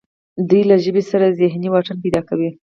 دوی له ژبې سره ذهني واټن پیدا کوي